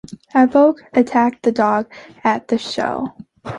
Havoc attacked the Dog at the show.